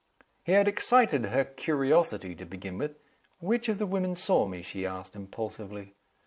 He had excited her curiosity, to begin with. "Which of the women saw me?" she asked, impulsively.